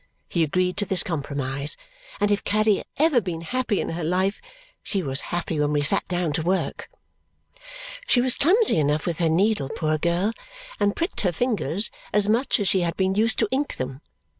He agreed to this compromise, and if Caddy had ever been happy in her life, she was happy when we sat down to work. She was clumsy enough with her needle, poor girl, and pricked her fingers as much as she had been used to ink them.